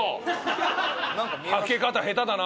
はけ方下手だな。